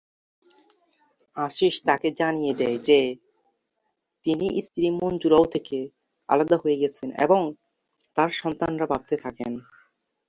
আশীষ তাকে জানিয়ে দেন যে তিনি স্ত্রী মঞ্জু রাও থেকে আলাদা হয়ে গেছেন এবং তাঁর সন্তানরা ভারতে থাকেন।